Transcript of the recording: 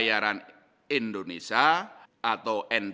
tercermin pada juli dua ribu dua puluh